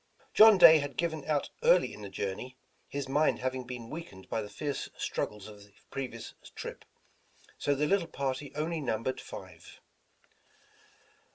John Day had given out early in the journey, his mind having been weakened by the fierce struggles of the previous trip, so the little party only numbered five.